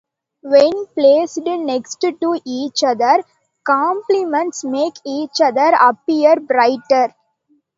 When placed next to each other, complements make each other appear brighter.